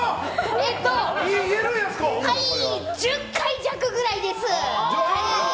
１０回弱くらいです！